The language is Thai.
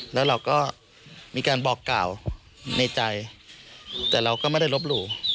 แล้วเราก็มีการบอกกล่าวในใจแต่เราก็ไม่ได้ลบหลู่